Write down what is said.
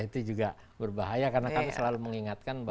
itu juga berbahaya karena kami selalu mengingatkan